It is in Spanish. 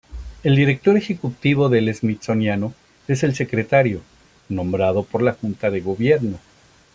El director ejecutivo del Smithsoniano es el secretario, nombrado por la Junta de Gobierno.